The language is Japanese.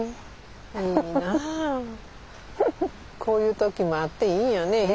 こういう時もあっていいよね。